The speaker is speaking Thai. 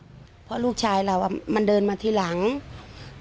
แต่มันถือปืนมันไม่รู้นะแต่ตอนหลังมันจะยิงอะไรหรือเปล่าเราก็ไม่รู้นะ